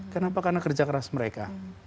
kenapa karena kerja keras mereka